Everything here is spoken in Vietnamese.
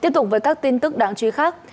tiếp tục với các tin tức đáng truy khắc